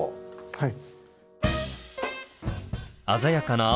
はい。